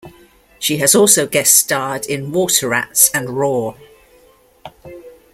She has also guest starred in "Water Rats" and "Roar".